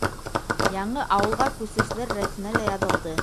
Яңы ауылға күсеүселәр рәтенә лә яҙылды.